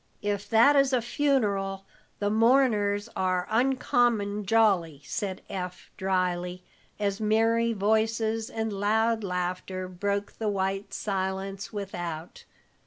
"If that is a funeral, the mourners are uncommon jolly," said Eph, drily, as merry voices and loud laughter broke the white silence without.